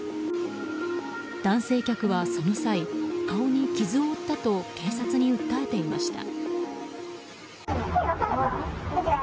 男性客はその際顔に傷を負ったと警察に訴えていました。